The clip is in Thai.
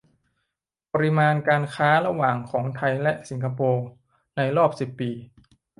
ปริมาณการค้าระหว่างของไทยและสิงคโปร์ ในรอบสิบปี